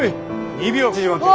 ２秒縮まってる。